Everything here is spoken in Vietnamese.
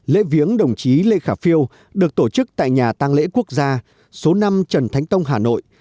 lễ viếng đồng chí lê khả phiêu được tổ chức tại nhà tăng lễ quốc gia số năm trần thánh tông hà nội